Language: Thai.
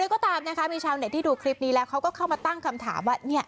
ก็ตามนะคะมีชาวเน็ตที่ดูคลิปนี้แล้วเขาก็เข้ามาตั้งคำถามว่า